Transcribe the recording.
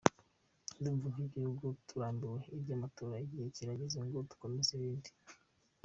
Ndumva nk’igihugu turambiwe iby’amatora, igihe kirageze ngo dukomeze ibindi.